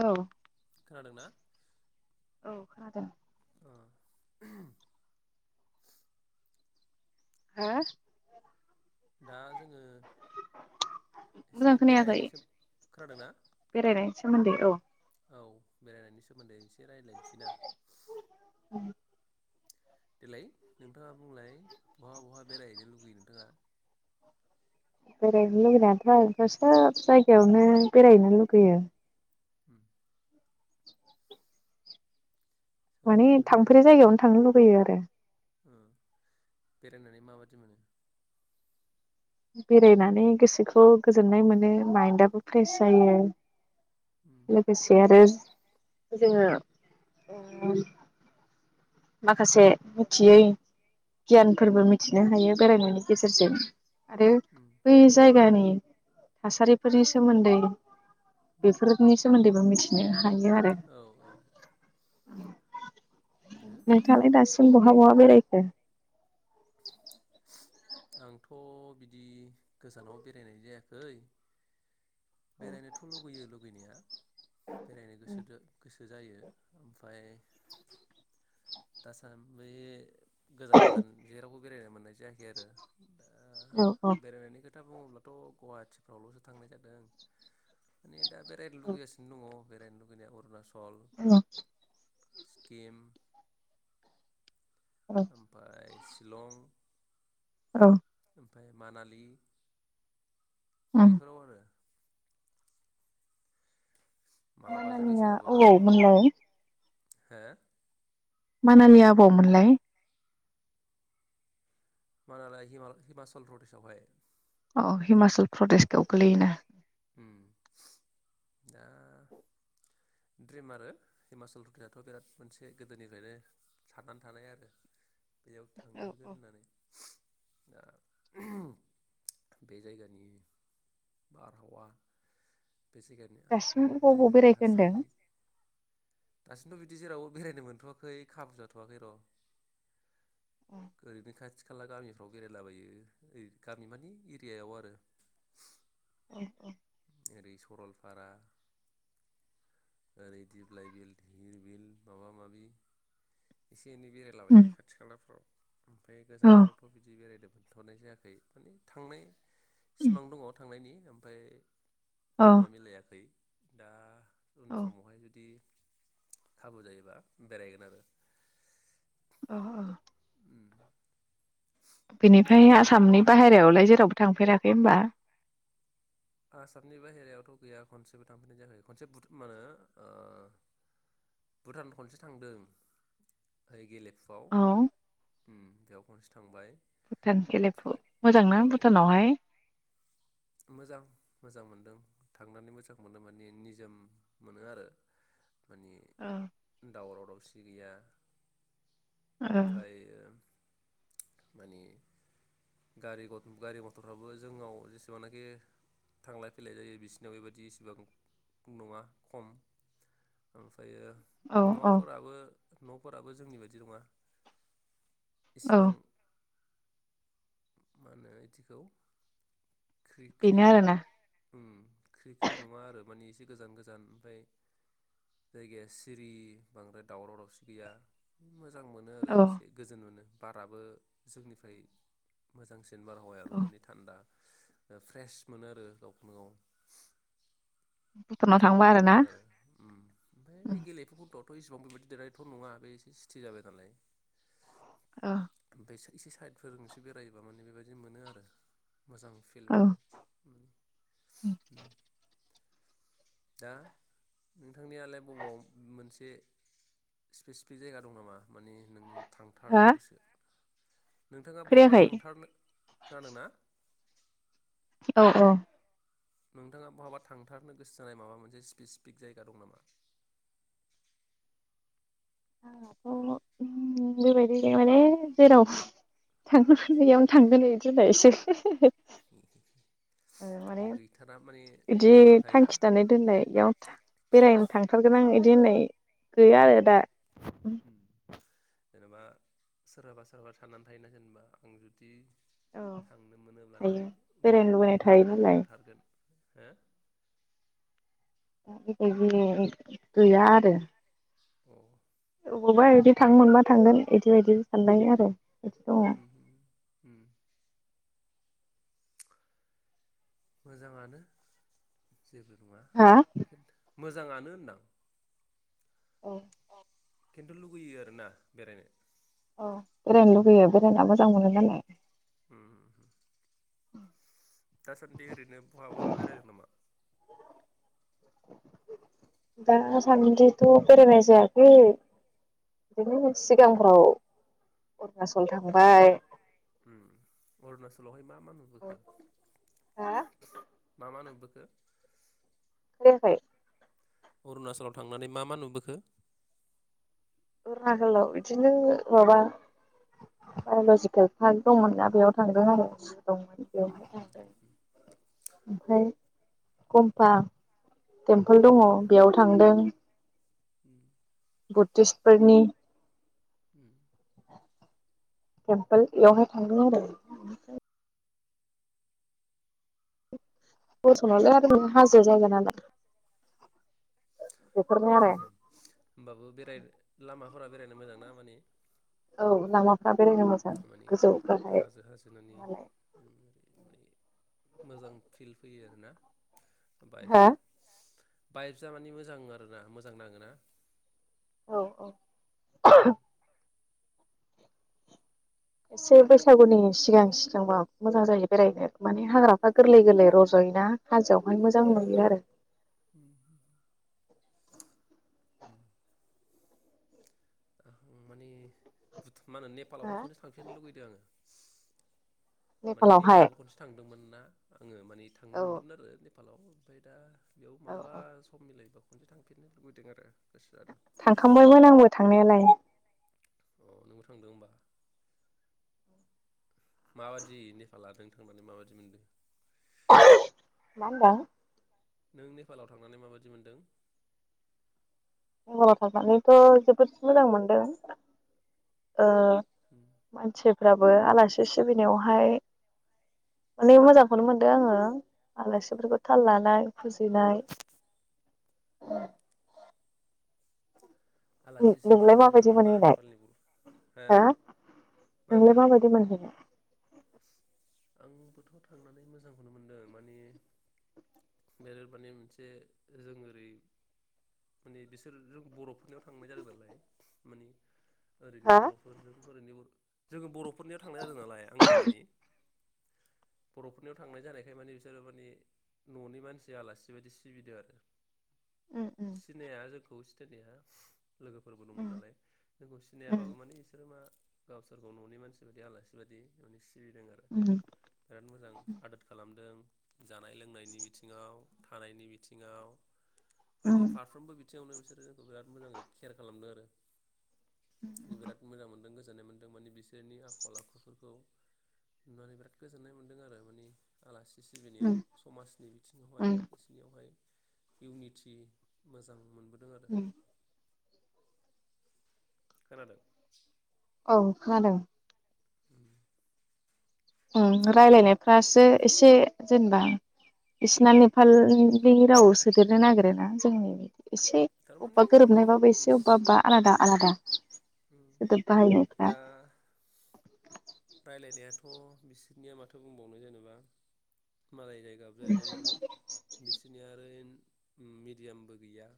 औ खोनादों ना औ खोनादों अम हा दा जोंङो एसे मोजां खोनायाखै बेरायनिसो खोनादोंना बेरायनायनि सोमोन्दै औ बेरायनायनि सोमोन्दै एसे रायलायनोसैना देलाय नोंथाङा बुंलाय बहा बहा बेरायहैनो लुुबैयो नोंथाङा। बेरायनो लुगैनायाथ' आंथ' सोब जायगायावनो बेरायहैनो लुुगैयो। अम सोब माने जायगायावनो बेरायनो थांफेरै लुगैयो जायगायावनो थांनो लुबैयो आरो। ओ बेरायनानै माबादि मोनो। बेरायनानै गोसोखौ गोजोननाय मोनो माइन्दआबो फ्रेस जायो। उम लोगोसे आरो जोंङो अम माखासे मिथियै गियानफोरबो मिथिनो हायो बेरायनायनि गेजेरजों। आरो उम बै जायगानि थासारिफोरनि सोमोन्दै बेफोरनि सोमोन्दैबो मिथि बिदिनो थायो आरो। औ औ आरो नोंथाङालाय दासिम बहा - बहा बेरायखो? आंथ' बिदि गोजानाव बेरायनाय जायाखै। बेरायनोथ' लुगैयो लुगैनाया बेरायनो गोसोदो गोसो जायो ओमफाय दासान बे गोजान गोजान जेरावबो। बे मोननाय जायाखै आरो। दा औ - औ। बेरायनायनि खोथा बुङोब्लाथ' गुवाहाटिफ्रावल'सो थांनाय जादों माने दा बेरायनो लुगैगासिनो दङ। बेरायनो लुैगैनाया अरुणाच' हल औ स्किम औ ओमफाय सि लं औ। ओमफाय मानालि उम बेफोराव आरो। मालाबा जुदि मोनालिया सोलाबोबा अबाव मोनलाय। हो? मानालिया अबावमोनलाय मानालिया हिमा हिमाचल प्रदेशआवहाय औ हिमाचल प्रदेशआव गोग्लैयोना उम दा द्रिम आरो हिमाचल प्रदेसथ' बिराद मोनसे गोदोनिफ्रायनो साननानै थानाय आरो बेयाव औ थांथारगोन औ होननानै दा बे जायगानि [inaudible] बे जायगानि दासिम आबहावा बे अबाव अबाव जायगानि बेरायखो होनदों? थासारि दासिमथ' बिदि जेरावबो बेरायनो मोनथवाखै खाबु जाथ'वाखै र' ओरैनो खाथि खाला गामिफ्राव बेरायलाबायो ओरैनो गामि माने एरियायाव आरो [inaudible] ओरै सरलपारा ओरै दिप्लाय बिल धिर बिल माबा माबि एसे एनै बेरायलाबायो उम खाथि खालाफ्राव ओमफ्राय औ गोजानफ्रावथ' बिदि बेरायदों मोन थांथ'नाय जायाखै थांनाय सिमां दङ थांनायनि ओमफ्राय औ समा मिलायाखै। दा उन औ समाव हाय जुदि खाबु जायोबा बेरायगोन आरो। अ अ उम दा बेनिफ्राय नोंथां आसामनि बाहेरायावलाय जेराव थांफेराखै होनबा? आसामनि बाहेरायावथ' गैया खनसेबो थांफैनाय जायाखै। खनसे मा होनो भुटान खनसे थांदों। ओमफ्राय गेले फुआव औ उम बेयाव खनसे थांबाय। भुटान गेलेफु ओमफ्राय औ मोजांना भुटानावहाय? मोजां मोजां मोनदों थांनानै मोजां मोनदों माने निजोम मोनो आरो माने औ दावराव दावसि गैया। औ ओमफाय ओ मानि गारि गारि मथरफ्राबो जोंनाव जेसेबांनाखि थांलाय फैलाय जायो बिसिनाव बेबायदि इसिबां नङा खम। ओमफ्रायो औ औ न'फोराबो न'फोराबो जोंनि बायदि नङा। औ इसिबां मा होनो इदिखौ? ख्रि ख्रि बेनो आरोना ओम ख्रि ख्रि नङा आरो मानिे एसे गोजान गोजान ओमफफ्राय जायगाया सिरि बांद्राय दावराव दावसि गैया। मोजां मोनो आरो औ एसे गोजोन मोनो। बाराबो जोंनिफ्राय मोजांसिन। जेनबार हावायाबो औ माने थान्दा। फ्रेस मोनो आरो। गावखौनो गाव। भुटानाव थांबा आरोना थाङोबा आरो ओमफ्राय गेलेफुफोरखौथ' थ' इसिबां बेबायादि देरनायथ' नङा बे एसे सिथि जाबाय नालाय। अ इसे साइदफोरजोंसो बेरायोबा माने बेबायदि मोनो आरो। मोजां फिल मोनो। उम ओम दा नोंथांनियालाय बबावआव मोनसे स्पेसिफिक जायगा दं नामा माने नों थांथारनो हा गोसो नोंथाङा बहाबा खोनायाखै? थांथारनो खोनादों ना औ औ नोंथाङा बहाबा थांथारनो गोसो जानाय माबा मोनसे स्पेसिफिक जायगा दं नामा? अ ओम बेबायदि माने जेराव थांजागोन बेयावनो थांगोन बेयावनो थांगोन होननायसो बि माने बिदि सोरहाबा थायोना थांखि दानाय दोननायाव बेरायनो थांथारगोन आं बिदि होननाय गैया आरो दा जेनेबा सोरहाबा सोरहाबा थनानै थायोना जेनेबा आं जुदि औ थांनो थायो मोनोब्लाथाय नैबे बेरायनो लुबैनाय उमुख थायो जायगायाव नालाय थांथारगोन हो गैया आरो औ अबावबा बिदि थांनो मोनबा थांगोन बिदिबायदि साननाय आरो बिदि दङ ओम ओम मोजाङानो जेबो नङा हा बेखौथ मोजाङानो होनदां औ केन्थु लुगैयो आरोना बेरायनो अ बेरायनो लुुबैयो बेरायना मोजां मोनो मालाय ओम दासान्दि ओरैनो बहाबा बेरायगोन नामा दासान्दिथ' बेरायनाय जायाखै बिदिनो सिगांफ्राव अरुणाचल थांबाय अरुणाचलावहाय मा मा नुबोखो हा मा मा नुबोखो खो खोनायाखै? अरुणाचलआव थांनानै मा मा नुबोखो? अरुणाचलआव बिदिनो माबा बाय'लजिकेल पार्क दंमोन ना बेयाव थांदों आरो सिगाङाव बेवहाय उम थांदों ओमफ्राय कमफा टेम्पोल उम दङ बेयाव थांदों उम [inaudible] बुद्धिसफोरनि [inaudible] टेम्पोल बेयावहाय थांदों आरो [unintelligible] हाजो जायगा नालाय। बेफोरनो आरो होनोमबाबो बेराय लामा फोरा बेरायनो मोजां ना माने औ लामाफोरा मालाय [unintelligible] मोजां फिल फैयो आरोना हा बायफिसा बाइक जा माने मोजां आरोना मोजां नाङोना औ औ [unintelligible] एसे बैसागुनि सिगां सिगांबा मोजां जायो बेरायनो माने हाग्राफ्रा गोरलै गोरलै रज'योना हाजोआवहाय मोजां नुयो आरो [inaudible] माने मा होनो हा नेपालावबो खनसे थांफननो लुगैदों आङो माने नेपालावहाय नेपालावबो खनसे थांदोंमोन ना आङो माने थांनो औ मोन्दोंमोन आरो [unintelligible] बेयाव औ मालाबा औ सम मिलायबाव खनसे थांफिननो लुबैदों आरो गोसो जादों थांखांबायमोन आंबो थांनायालाय अ नोंबो थांदों होमबा माबायदि नेपाला नों थांनानै माबायदि मोनदों [unintelligible] मा होनदों नों नेपालाव थांनानै माबायि मोनदों नेपालाव थांनानैथ' जोबोद मोजां मोनदों ओ मोन फोराबो आलासि सिबिनायावहाय अनेक मोजांखौनो मोनदों आङो आलासिफोरखौ थाल लानाय फुजिनाय। उ आलासि नोंलाय सिबिनायाव माबायदि मोजांथारना मोनहैनाय नेपालनि बर हो मा नोंलाय होनदों माबायदि मोनहैनाय? आंबोथ थांनानै मोजांखौनो मोनदों माने बे माने मोनसे जों ओरै माने बिसोर जों बरफ फुरनायाव थांबाय जादों नालाय माने ओरैनि हा बरफोरजों हरैनिबो जोङो बरफ फुरनियाव थांनाय जादों नालाय आङो माने बरफोरनियाव थांनाय जानायखाय माने बिसोरो माने ननि मानसिया आलासि बायदि सिबिदों आरो। उम सिनाया जोंखौ सिथ जेहा लोगोफोरबो दंमोन उम नालाय जोंखौ उम सिनायाबाबो माने बिसोरो मा गावसोरखौ ननि मानसि बायदि आलासि बायदि ननि सि सिबिदों आरो उम बिराद मोजां आदोद खालामदों। जानाय लोंनायनि बिथिङाव थानायनि बिथिङाव। माने उम फारफ्रोमबो बिथिङावनो बिसो बिसोरो जोंखौ बिराद मोजाङै केयार खालामदों आरो। उम बिराद मोजां मोनदों गोस गोजोननाय मोनदों माने बिसोरनि आखल आखुफोरखौ नुनानै बिराद गोजोन्नाय मोन्दों आरो माने आलासि उम सिबिनायाव समाजनि बिथिङावहाय उम बिसोरनियावहाय इउनिटि मोजां मोनबोद उम। खोनादों। औ खोनादों। उम राय्लायनायफ्रासो एसे जेनेबा बिसिना नेपालनि रावाव सोदेरनो नागिर ना जोंनि बिदि एसे थारमानि अबबा गोरोबनायबाबो एसे इस अबबा अबबा आलादा आलादा। सोदोब बाहायनायफ्रा। रायलाय नायाथ बिसोरनिया माथो बुंबावनो जेनेबा मालाय जायगाबो जाहैबाय मानि बिसोरनिया आरो मिदियामबो गैया।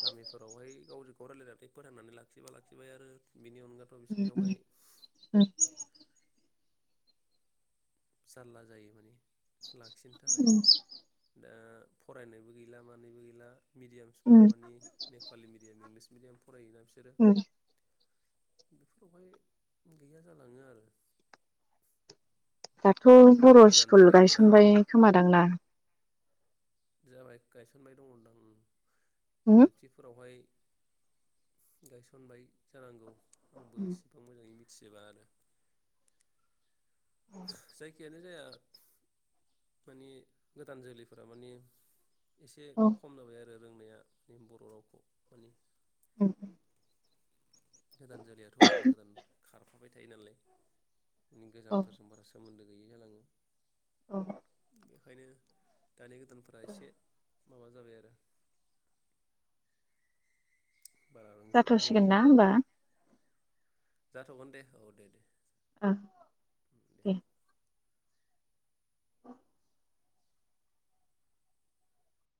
गामिफोरावहाय गावजों बाव रायलायनानै फोथांनानै लाखिबा लाखिबाय आरो बिनि अनगाथ उम बिसोरनियावहाय उम जारला जायो माने लाखिनो थाखाय उम दा फरायनायबो गैला मानैबो गैला मिडियामसफोरा उम मानानि नेपालि मिडियाम इंलिस फरायोदां सोरो उम बेफोरावहाय गैया जालाङो आरो मानि दाथ' बर' गोदान स्कुल जोलैफोरा गायसनबाय खोमादांना जाबाय गायसनबाय दङदां औ एल पि फोरावहाय गायसनबाय जानांगौ। आंबो उम एसेबां मोजाङै मि थिबाङा आरो। जायखियानो जाया माने गोदान जोलैफोरा माने एसे औ खम जाबाय आरो। आरो रोंनाया बर' रावखौ माने [unintelligible] गोदान जोलैयाथ' गोदान गोदान खार थाफाबाय थायो नालाय गोजामफोरजों बारा सोमोन्दो गैयै जालाङो औ बेखायनो दानि गोदानफोरा एसे माबा जाबाय आरो बारा रोंजोब रोङै जाथ'सिगोन ना जाबाय होमबा? जाथ'गोन दे औ दे दे। ओं दे।